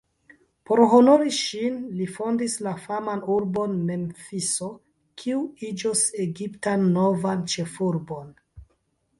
Por honori ŝin li fondis la faman urbon Memfiso, kiu iĝos Egiptan novan ĉefurbon.